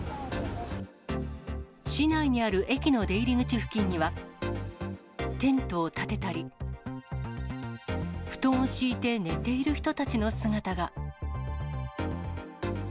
市内にある駅の出入り口付近には、テントを立てたり、布団を敷いて寝ている人たちの姿が。